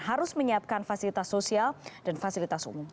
harus menyiapkan fasilitas sosial dan fasilitas umum